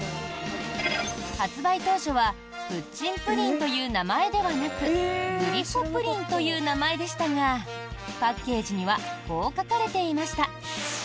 発売当初はプッチンプリンという名前ではなくグリコプリンという名前でしたがパッケージにはこう書かれていました。